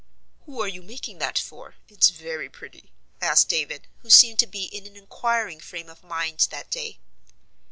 "Who are you making that for? it's very pretty," asked David, who seemed to be in an inquiring frame of mind that day.